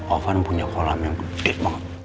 ovan punya kolam yang gede banget